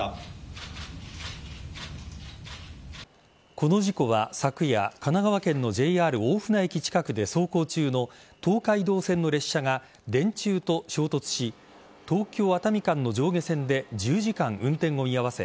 この事故は昨夜神奈川県のＪＲ大船駅近くで走行中の東海道線の列車が電柱と衝突し東京熱海間の上下線で１０時間運転を見合わせ